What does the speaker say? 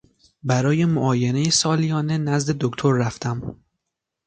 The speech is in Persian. برای معاینه سالیانه نزد دکتر رفتم.